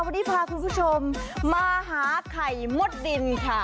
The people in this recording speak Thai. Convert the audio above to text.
วันนี้พาคุณผู้ชมมาหาไข่มดดินค่ะ